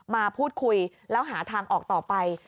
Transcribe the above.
มาพูดคุยแล้วหาทางออกต่อไป